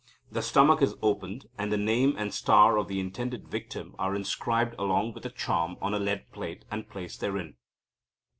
The stomach is opened, and the name and star of the intended victim are inscribed along with a charm on a lead plate, and placed therein.